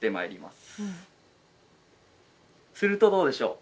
「するとどうでしょう？